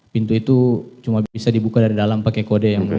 pintu itu cuma bisa dibuka dari dalam pakai kode yang mulia